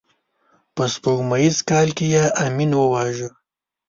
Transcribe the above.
په سپوږمیز کال کې یې امین وواژه.